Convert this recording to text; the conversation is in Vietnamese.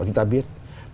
chúng ta biết